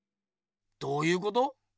どうゆうこと？